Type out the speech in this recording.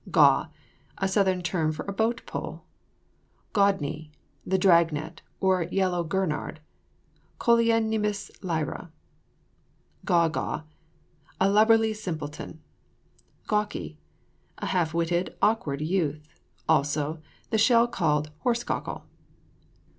GAW. A southern term for a boat pole. GAWDNIE. The dragonet, or yellow gurnard; Callionymus lyra. GAW GAW. A lubberly simpleton. GAWKY. A half witted, awkward youth. Also, the shell called horse cockle.